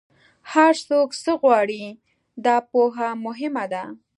هر څوک څه غواړي، دا پوهه مهمه ده.